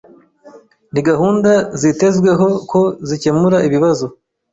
Ni gahunda zitezweho ko zikemura ibibazo